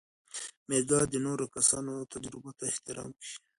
میکا د نورو کسانو تجربو ته احترام کوي.